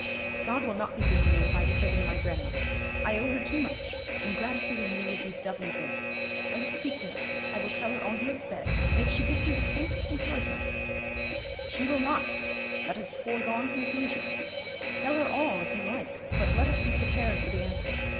'God will not be good to me if I disobey my grandmother. I owe her too much; ingratitude in me would be doubly base. I will speak to her. I will tell her all you have said, and if she gives me the faintest encouragement ' 'She will not; that is a foregone conclusion. Tell her all, if you like; but let us be prepared for the answer.